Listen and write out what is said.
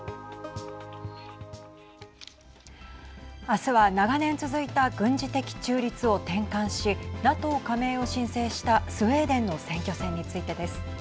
明日は長年続いた軍事的中立を転換しＮＡＴＯ加盟を申請したスウェーデンの選挙戦についてです。